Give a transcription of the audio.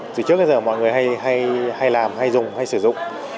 trước kia giờ mọi người hay làm hay dùng hay sử dụng